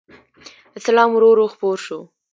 اسلام ورو ورو خپور شو